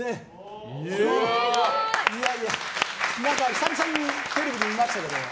久々にテレビで見ましたけど。